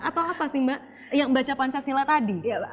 atau apa sih mbak yang baca pancasila tadi